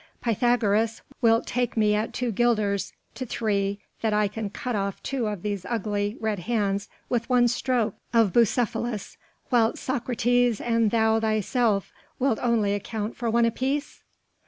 Pythagoras, wilt take me at two guilders to three that I can cut off two of these ugly, red hands with one stroke of Bucephalus whilst Socrates and thou thyself wilt only account for one apiece?"